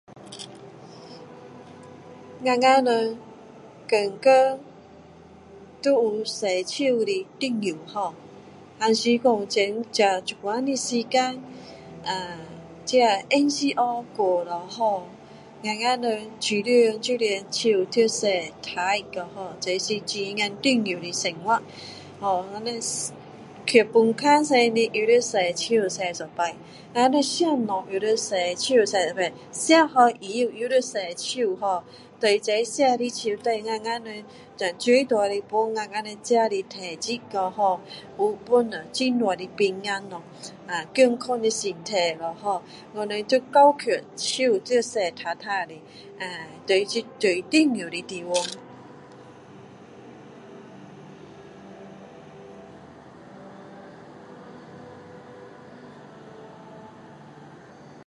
我们人天天都有洗手的重要但是现在的时间呃这MCO过了后我们人觉得手要洗干净啦hor 这是非常重要的生活我们人从厕所出来也是要洗手至少要洗一次我们吃东西也是要洗手洗一次吃好也是要洗手hor这样的洗手帮我们最多我们的体质比较好有帮助到很大的平安咯健康的身体咯hor我们最重要手要洗干净的最重要的地方